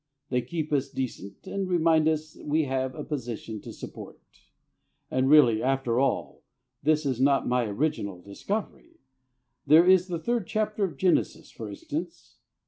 They keep us decent, and remind us we have a position to support. And really, after all, this is not my original discovery! There is the third chapter of Genesis, for instance.